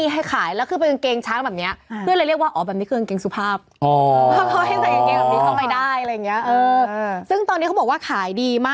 หรือใส่อะไรอย่างนี้